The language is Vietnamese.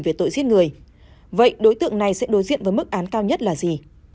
về tội giết người vậy đối tượng này sẽ đối diện với mức án cao nhất là gì